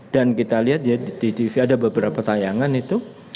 dan kita lihat ya di tv ada beberapa tayangan itu